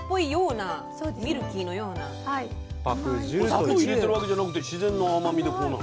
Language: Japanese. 砂糖入れてるわけじゃなくて自然の甘みでこうなる？